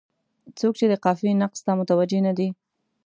څوک یې د قافیې نقص ته متوجه نه دي.